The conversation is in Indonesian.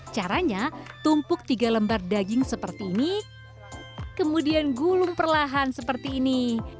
caranya tumpuk tiga lembar daging seperti ini kemudian gulung perlahan seperti ini